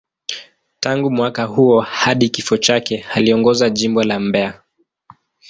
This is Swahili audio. Tangu mwaka huo hadi kifo chake, aliongoza Jimbo la Mbeya.